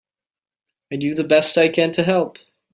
I do the best I can to help.